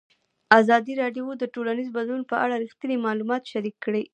ازادي راډیو د ټولنیز بدلون په اړه رښتیني معلومات شریک کړي.